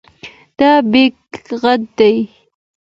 دا بیک غټ دی.